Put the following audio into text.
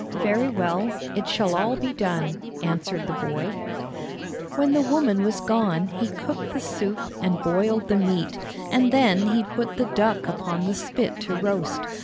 "Very well; it shall all be done," answered the boy. When the woman was gone he cooked the soup and boiled the meat, and then he put the duck upon the spit to roast.